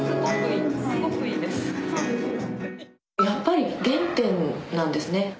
やっぱり原点なんですね。